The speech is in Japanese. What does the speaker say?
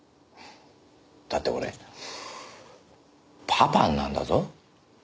だって俺パパになるんだぞ。